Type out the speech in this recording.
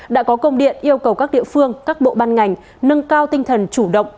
đã có công điện yêu cầu các địa phương các bộ ban ngành nâng cao tinh thần chủ động